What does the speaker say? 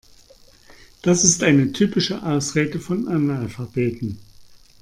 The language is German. Das ist eine typische Ausrede von Analphabeten.